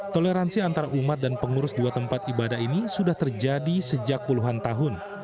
toleransi antara umat dan pengurus dua tempat ibadah ini sudah terjadi sejak puluhan tahun